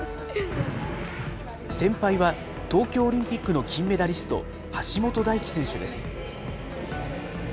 先輩は東京オリンピックの金メダリスト、橋本大輝選手です。